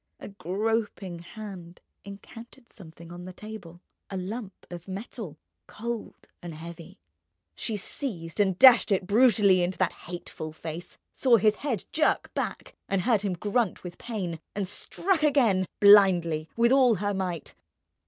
A groping hand encountered something on the table, a lump of metal, cold and heavy. She seized and dashed it brutally into that hateful face, saw his head jerk back and heard him grunt with pain, and struck again, blindly, with all her might.